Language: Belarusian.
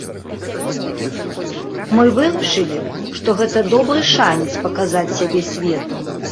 Мы вырашылі, што гэта добры шанец паказаць сябе свету.